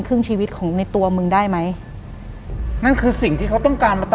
หลังจากนั้นเราไม่ได้คุยกันนะคะเดินเข้าบ้านอืม